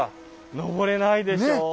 登れないでしょう？